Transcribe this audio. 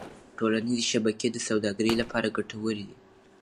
ټولنيزې شبکې د سوداګرۍ لپاره ګټورې دي.